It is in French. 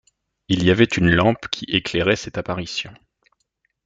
Il y avait une lampe qui éclairait cette apparition.